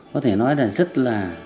có thể nói là rất là